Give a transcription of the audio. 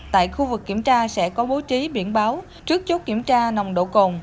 tại khu vực kiểm tra sẽ có bố trí biển báo trước chốt kiểm tra nồng độ cồn